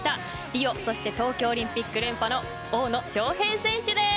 リオ、そして東京オリンピック連覇の大野将平選手です。